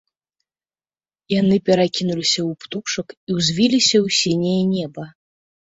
Яны перакінуліся ў птушак і ўзвіліся ў сіняе неба.